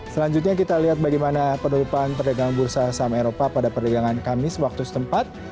selanjutnya kita lihat bagaimana penutupan perdagangan bursa saham eropa pada perdagangan kamis waktu setempat